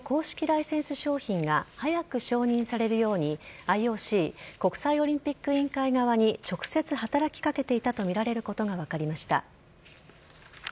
ライセンス商品が早く承認されるようにＩＯＣ＝国際オリンピック委員会側に直接、働きかけていたとみられることが分かりました。